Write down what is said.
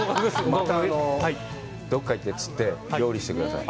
また、どこか行って、釣って、料理してください。